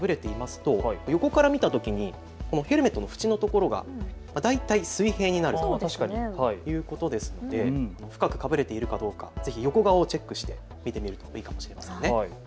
深くかぶるといいますと横から見たときにヘルメットの縁のところが大体水平になるということですので深くかぶれているかどうか、ぜひ横顔を見てチェックしてみるといいかもしれません。